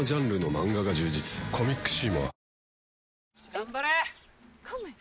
・頑張れ！